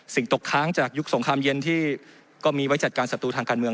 ตกค้างจากยุคสงครามเย็นที่ก็มีไว้จัดการศัตรูทางการเมือง